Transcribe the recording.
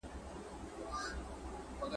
ناره پورته د اتڼ سي مستانه هغسي نه ده !.